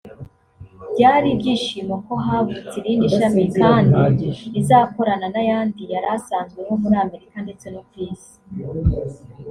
byari ibyishimo ko havutse irindi shami kandi rizakorana n’ayandi yari asanzweho muri Amerika ndetse no ku isi